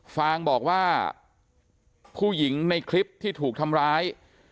ฟางบอกว่าผู้หญิงในคลิปที่ถูกทำร้าย